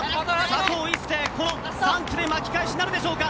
佐藤一世、この３区で巻き返しなるでしょうか。